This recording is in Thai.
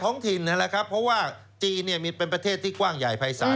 ท้องถิ่นนั่นแหละครับเพราะว่าจีนเป็นประเทศที่กว้างใหญ่ภายศาสตร์